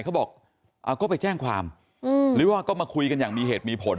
เขาบอกเอาก็ไปแจ้งความหรือว่าก็มาคุยกันอย่างมีเหตุมีผล